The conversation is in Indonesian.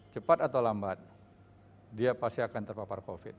cepat atau lambat dia pasti akan terpapar covid